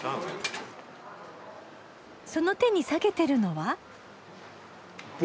その手に下げてるのは？